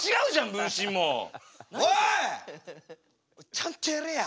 ちゃんとやれや。